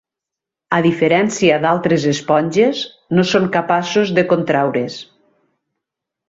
A diferència d'altres esponges, no són capaços de contraure's.